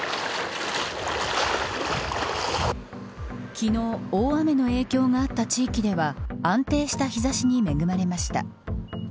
昨日、大雨の影響があった地域では安定した日差しに恵まれました。